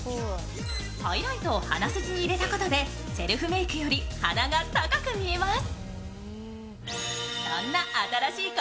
ハイライトを鼻筋に入れたことでセルフメイクより鼻が高く見えます。